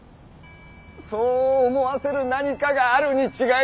そう思わせる何かがあるに違いないッ！